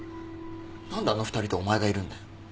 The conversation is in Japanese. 何であの２人とお前がいるんだよ。